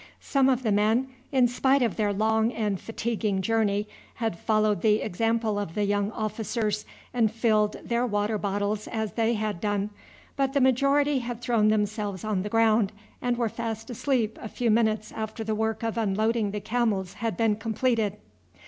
Some of the men, in spite of their long and fatiguing journey, had followed the example of the young officers and filled their water bottles as they had done, but the majority had thrown themselves on the ground and were fast asleep a few minutes after the work of unloading the camels had been completed.